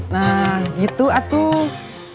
nah gitu atuh